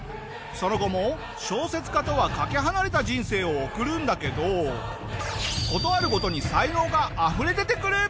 その後も小説家とはかけ離れた人生を送るんだけど事あるごとに才能があふれ出てくる！